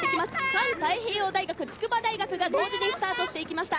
環太平洋大学、筑波大学が同時にスタートしていきました。